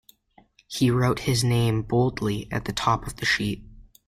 He wrote his name boldly at the top of the sheet.